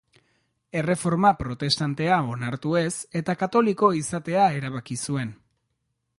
Erreforma Protestantea onartu ez eta Katoliko izatea erabaki zuen.